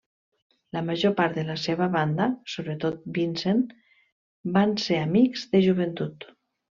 La major part de la seva banda, sobretot Vincent, van ser amics de joventut.